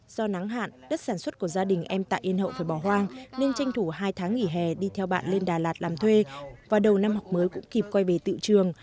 do nắng hạn đất sản xuất của gia đình em tạ yên hậu phải bỏ hoang nên tranh thủ hai tháng nghỉ hè đi theo bạn lên đà lạt làm thuê và đầu năm học mới cũng kịp quay về tự trường